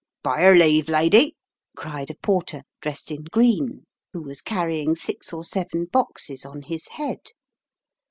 "By'r leave, lady," cried a porter dressed in green, who was carrying six or seven boxes on his head.